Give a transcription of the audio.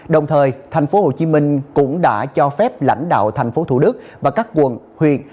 đồng thời tp hcm cũng đã cho phép lãnh đạo thành phố thủ đức và các quận huyện